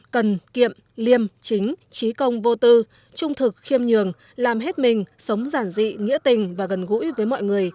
cần kiệm liêm chính trí công vô tư trung thực khiêm nhường làm hết mình sống giản dị nghĩa tình và gần gũi với mọi người